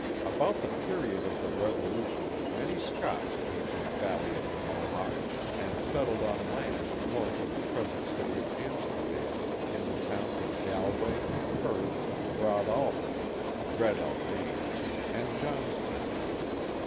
' About the period of the Revolution many Scots came to > the valley of the Mohawk and settled on land north of the present city of Amsterdam in the towns of Galway, Perth, Broadalbin (Breadalbane), and Johnstown.